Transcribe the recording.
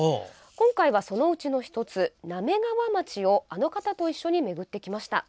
今回はその内の１つ、滑川町をあの方と一緒にめぐってきました。